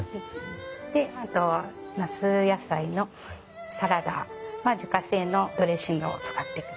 であとは那須野菜のサラダは自家製のドレッシングを使ってください。